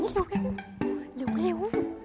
อุ้ยเร็ว